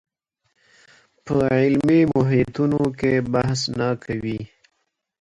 په علمي محیطونو کې بحث نه کوي